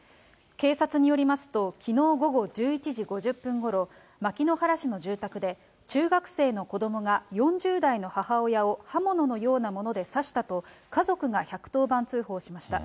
警察によりますと、きのう午後１１時５０分ごろ、牧之原市の住宅で中学生の子どもが４０代の母親を刃物のようなもので刺したと、家族が１１０番通報しました。